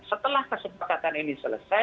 setelah kesepakatan ini selesai